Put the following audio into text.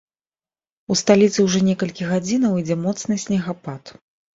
У сталіцы ўжо некалькі гадзінаў ідзе моцны снегапад.